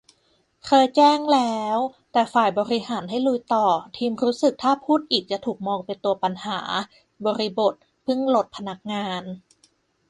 เคยแจ้งแล้ว แต่ฝ่ายบริหารให้ลุยต่อ ทีมรู้สึกถ้าพูดอีกจะถูกมองเป็นตัวปัญหา บริบท : เพิ่งลดพนักงาน